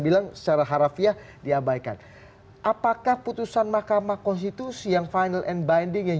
bilang secara harafiah diabaikan apakah putusan mahkamah konstitusi yang final and binding yang